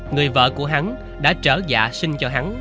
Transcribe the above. người vợ của hắn đã trở dạ sinh cho hắn